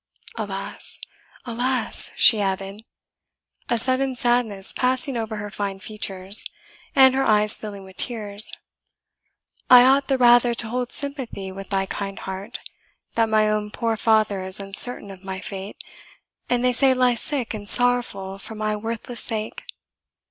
Alas! alas!" she added, a sudden sadness passing over her fine features, and her eyes filling with tears, "I ought the rather to hold sympathy with thy kind heart, that my own poor father is uncertain of my fate, and they say lies sick and sorrowful for my worthless sake!